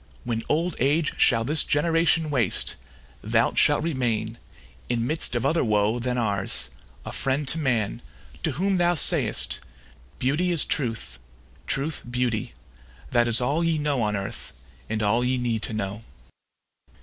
When old age shall this generation waste, Thou shalt remain, in midst of other woe Than ours, a friend to man, to whom thou say'st, "Beauty is truth, truth beauty, that is all Ye know on earth, and all ye need to know."